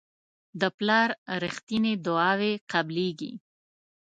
د پلار رښتیني دعاوې قبلیږي.